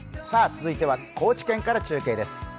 続いては高知県から中継です